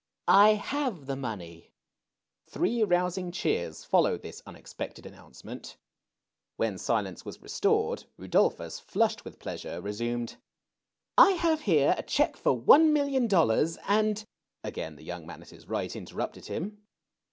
"1 have the money." Three rousing cheers followed this unexpected announce 236 THE CHILDREN'S WONDER BOOK. merit. When silence was restored, Rudolplius, flushed with pleasure, resumed :" I have here a check for one million dollars, and "— Again the young man at his right interrupted him.